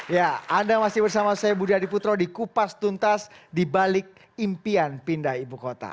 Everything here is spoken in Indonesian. ya anda masih bersama saya budi adiputro di kupas tuntas di balik impian pindah ibu kota